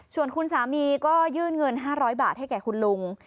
ส่วนคุณสามีก็ยื่นเงิน๕๐๐บาทให้แก่คุณลุง